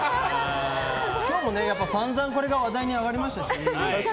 今日も散々これが話題に上がりましたし。